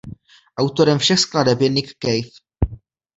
Autorem všech skladeb je Nick Cave.